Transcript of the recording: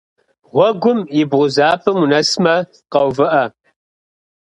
Гъуэгум и бгъузапӏэм унэсмэ, къэувыӏэ.